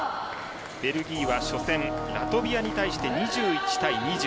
ベルギーは初戦ラトビアに対して２１対２０。